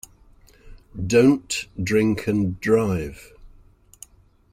Don’t drink and drive.